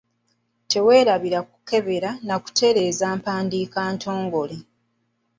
Teweerabira kukebera na kutereeza mpandiika ntongole.